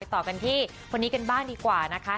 ต่อกันที่คนนี้กันบ้างดีกว่านะคะ